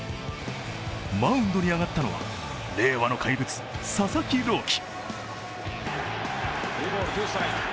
マウンドに上がったのは、令和の怪物、佐々木朗希。